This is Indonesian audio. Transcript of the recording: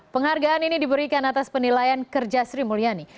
penghargaan ini diberikan atas penilaian kerja sri mulyani